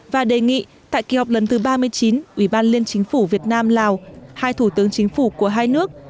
và đề nghị tại kỳ họp lần thứ ba mươi chín ủy ban liên chính phủ việt nam lào hai thủ tướng chính phủ của hai nước